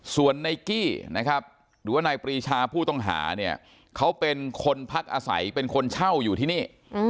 ส่วนนายกี้นะครับหรือว่านายปรีชาผู้ต้องหาเนี่ยเขาเป็นคนพักอาศัยเป็นคนเช่าอยู่ที่นี่